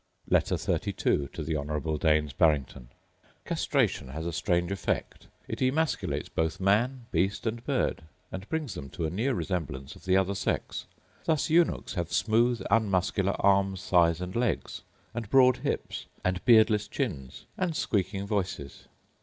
Letter XXXII To The Honourable Daines Barrington Castration has a strange effect: it emasculates both man, beast, and bird, and brings them to a near resemblance of the other sex. Thus eunuchs have smooth unmuscular arms, thighs, and legs; and broad hips, and beardless chins, and squeaking voices.